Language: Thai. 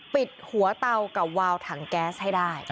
ปิดหัวเตากับวาวถังแก๊สให้ได้